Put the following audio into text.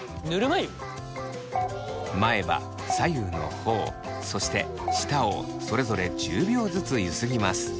前歯左右のほおそして舌をそれぞれ１０秒ずつゆすぎます。